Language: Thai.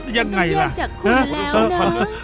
ยังไงล่ะ